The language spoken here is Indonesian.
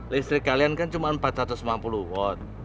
listrik kalian kan cuma empat ratus lima puluh watt